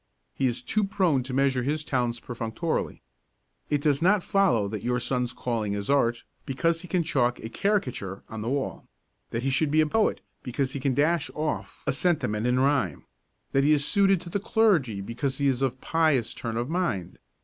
He is too prone to measure his talents perfunctorily. It does not follow that your son's calling is art because he can chalk a caricature on the wall; that he should be a poet because he can dash off a sentiment in rhyme; that he is suited to the clergy because he is of a pious turn of mind.